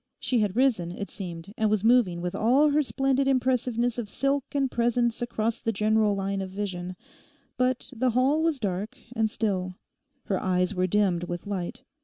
She had risen, it seemed, and was moving with all her splendid impressiveness of silk and presence across the general line of vision. But the hall was dark and still; her eyes were dimmed with light.